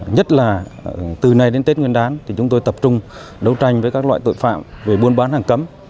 nhất là từ nay đến tết nguyên đán thì chúng tôi tập trung đấu tranh với các loại tội phạm về buôn bán hàng cấm